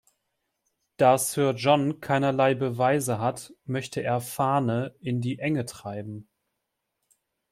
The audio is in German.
Da Sir John keinerlei Beweise hat, möchte er Fane in die Enge treiben.